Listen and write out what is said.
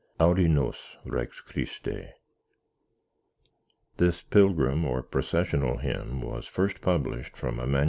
AUDI NOS, REX CHRISTE This pilgrim or processional hymn was first published from a MS.